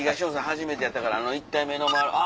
初めてやったからあの１体目のマーライオン